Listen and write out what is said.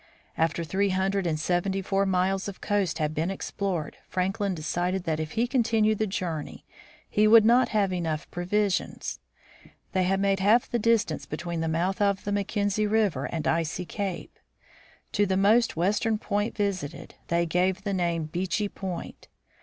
After three hundred and seventy four miles of coast had been explored, Franklin decided that if he continued the journey, he would not have enough provisions. They had made half the distance between the mouth of the Macken zie river and Icy cape. To the most western point visited, they gave the name Beechey point.